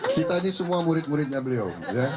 kita ini semua murid muridnya beliau